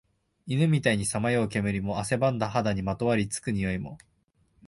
犬みたいにさまよう煙も、汗ばんだ肌にまとわり付く臭いも、